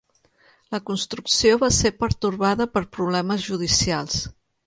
La construcció va ser pertorbada per problemes judicials.